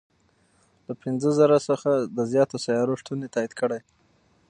له پنځه زرو څخه د زیاتو سیارو شتون تایید کړی.